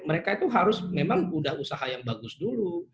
mereka itu harus memang udah usaha yang bagus dulu